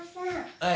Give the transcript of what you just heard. はい？